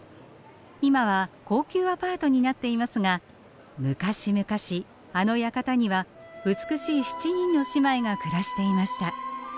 今は高級アパートになっていますが昔々あの館には美しい７人の姉妹が暮らしていました。